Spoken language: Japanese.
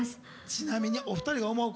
ちなみにお二人が思う